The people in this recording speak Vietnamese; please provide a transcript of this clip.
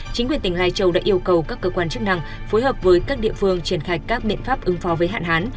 chính quyền tỉnh lai châu đã yêu cầu các cơ quan chức năng phối hợp với các địa phương triển khai các biện pháp ứng phó với hạn hán